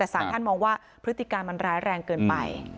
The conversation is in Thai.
แต่สาธารณ์มองว่าพฤติการมันร้ายแรงเกินไป